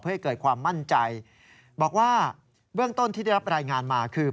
ให้เกิดความมั่นใจบอกว่าเบื้องต้นที่ได้รับรายงานมาคือ